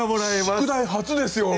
宿題初ですよ。